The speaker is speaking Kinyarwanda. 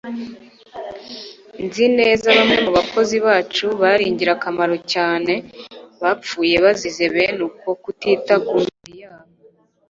nzi neza bamwe mu bakozi bacu bari ingirakamaro cyane bapfuye bazize bene uko kutita ku mibiri yabo